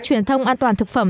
truyền thông an toàn thực phẩm